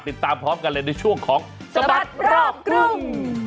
ติดตามพร้อมกันเลยในช่วงของสบัดรอบกรุง